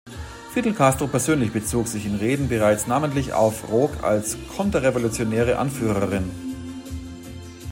Fidel Castro persönlich bezog sich in Reden bereits namentlich auf Roque als „konterrevolutionäre Anführerin“.